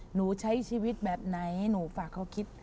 หนูใช้ชีวิตแบบไหนหนูฝากเขาคิด